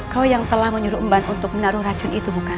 kau yang telah menyuruh mbak untuk menaruh racun itu bukan